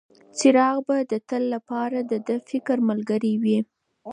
څراغ به د تل لپاره د ده د فکر ملګری وي.